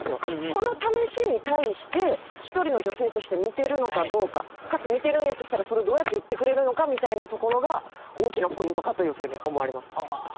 この試しに対して一人の女性として見てるのかどうかかつ見てるんやとしたらそれをどうやって言ってくれるのかみたいなところが大きなポイントかというふうに思われます。